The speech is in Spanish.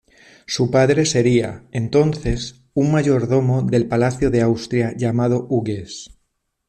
Su padre sería, entonces, un mayordomo del palacio de Austrasia llamado Hugues.